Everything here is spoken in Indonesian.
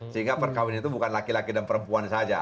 sehingga perkawinan itu bukan laki laki dan perempuan saja